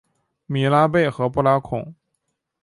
米拉贝和布拉孔。